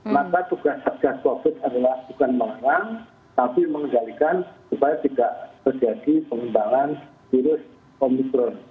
maka tugas satgas covid adalah bukan mengerang tapi mengendalikan supaya tidak terjadi pengembangan virus omicron